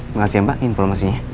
makasih ya mbak informasinya